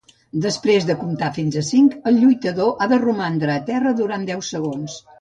Després de comptar fins a cinc, el lluitador ha de romandre a terra durant deu segons.